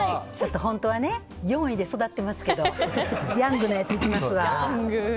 本当は、４位で育ってますけどヤングなやつ、いきますわ。